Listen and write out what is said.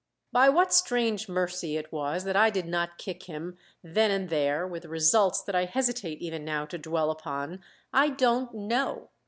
By what strange mercy it was that I did not kick him, then and there, with results that I hesitate even now to dwell upon, I don't know.